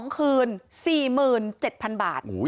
๒คืน๔๗๐๐บาท